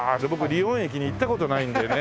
リヨン駅に行った事ないんでね。